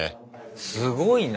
すごいな。